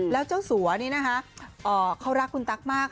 แล้วเจ้าสัวนี่นะคะเขารักคุณตั๊กมาก